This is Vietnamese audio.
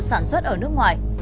sản xuất ở nước ngoài